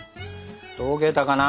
溶けたかな？